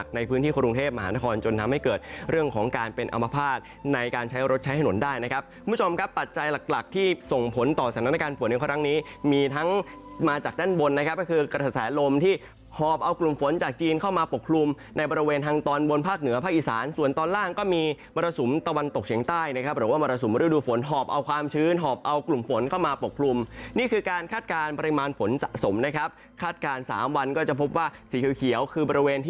ส่งผลต่อสถานการณ์ฝนอย่างค่อนข้างนี้มีทั้งมาจากด้านบนนะครับก็คือกระสะสายลมที่หอบเอากลุ่มฝนจากจีนเข้ามาปกปรุมในบริเวณทางตอนบนภาคเหนือภาคอีสานส่วนตอนล่างก็มีมรสุมตะวันตกเฉียงใต้นะครับหรือว่ามรสุมฤดูฝนหอบเอาความชื้นหอบเอากลุ่มฝนเข้ามาปกปรุมนี่คือการคาดการณ์ปร